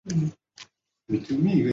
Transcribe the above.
因此有人提出要当心股市走势。